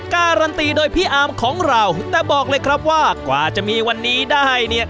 การันตีโดยพี่อาร์มของเราแต่บอกเลยครับว่ากว่าจะมีวันนี้ได้เนี่ย